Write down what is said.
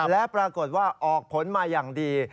และปรากฏว่าออกผลมาอย่างดี